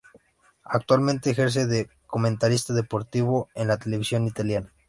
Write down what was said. Actualmente ejerce de comentarista deportivo en la televisión italiana.